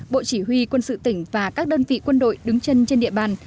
bộ chỉ huy quân sự tỉnh và các đơn vị quân đội đứng chân trên địa bàn